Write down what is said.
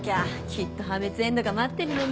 きっと破滅エンドが待ってるのね。